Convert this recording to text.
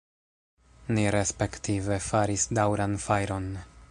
Ni respektive faris daŭran fajron.